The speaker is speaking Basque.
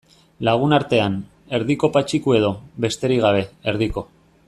Lagunartean, Erdiko Patxiku edo, besterik gabe, Erdiko.